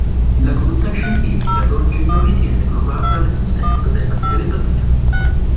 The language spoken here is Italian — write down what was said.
La comunità scientifica ad oggi non ritiene provata l'esistenza della telepatia.